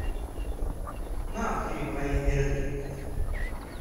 Maɣef ay yebɣa Yidir ad yemmet?